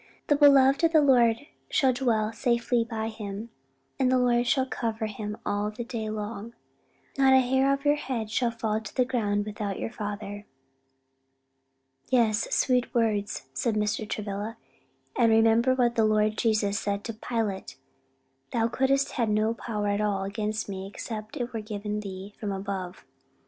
"'The beloved of the Lord shall dwell in safety by him, and the Lord shall cover him all the day long.' 'Not an hair of your head shall fall to the ground without your Father.'" "Yes, sweet words," said Mr. Travilla; "and remember what the Lord Jesus said to Pilate, 'Thou couldst have no power at all against me, except it were given thee from above.'"